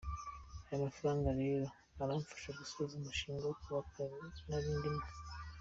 Aya mafaranga rero aramfasha gusoza umushinga wo kubaka narindi mo.